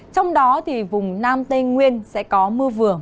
trong đó thì vùng nam tây nguyên sẽ có mưa rào và rông rải rác